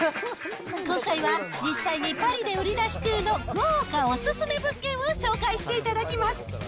今回は実際にパリで売り出し中の豪華お勧め物件を紹介していただきます。